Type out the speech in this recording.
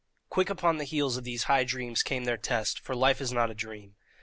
Quick upon the heels of these high dreams came their test, for life is not a dream.